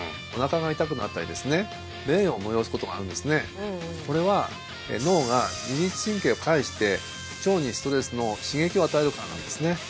例えばこれは脳が自律神経を介して腸にストレスの刺激を与えるからなんですね